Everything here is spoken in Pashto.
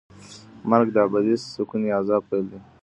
مرګ د ابدي سکون یا عذاب پیل دی.